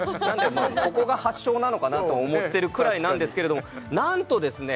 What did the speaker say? もうここが発祥なのかなと思ってるくらいなんですけれどもなんとですね